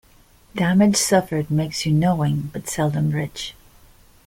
Damage suffered makes you knowing, but seldom rich.